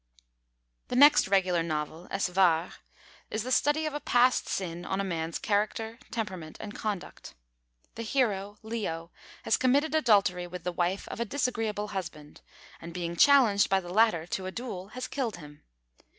The next regular novel, Es War, is the study of a past sin on a man's character, temperament, and conduct. The hero, Leo, has committed adultery with the wife of a disagreeable husband, and, being challenged by the latter to a duel, has killed him.